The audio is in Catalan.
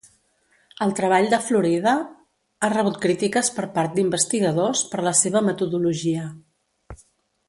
El treball de Florida ha rebut crítiques per part d'investigadors, per la seva metodologia.